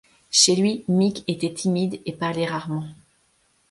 Chez lui, Meek était timide et parlait rarement.